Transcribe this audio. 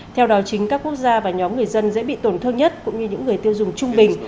theo đó chính các quốc gia và nhóm người dân dễ bị tổn thương nhất cũng như những người tiêu dùng trung bình